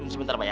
sebentar pak ya